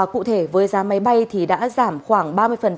cụ thể với giá máy bay thì đã giảm khoảng ba mươi